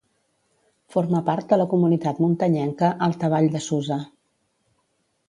Forma part de la Comunitat Muntanyenca Alta Vall de Susa.